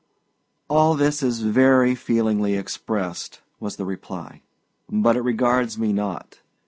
"All this is very feelingly expressed," was the reply, "but it regards me not.